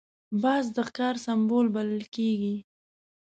باز د ښکار سمبول بلل کېږي